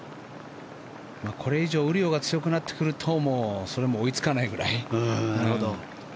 これ以上雨量が強くなってくるともうそれも追いつかないぐらい。